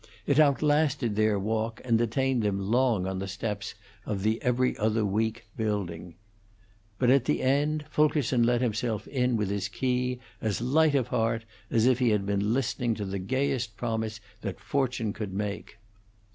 It outlasted their walk and detained them long on the steps of the 'Every Other Week' building. But at the end Fulkerson let himself in with his key as light of heart as if he had been listening to the gayest promises that fortune could make.